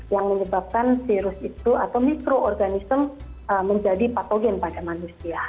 yang menyebabkan virus itu atau mikroorganisme menjadi patogen pada manusia